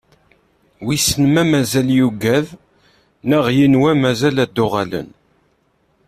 Wisen ma mazal yugad neɣ yenwa mazal ad d-uɣalen.